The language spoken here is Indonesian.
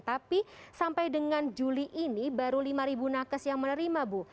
tapi sampai dengan juli ini baru lima ribu nakes yang menerima bu